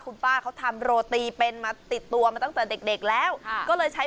คุณป้าเขาทำโรตีเป็นมาติดตัวมาตั้งแต่เด็กแล้วก็เลยใช้